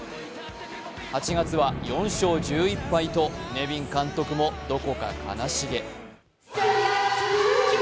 ８月は４勝１１敗とネビン監督もどこか悲しげ。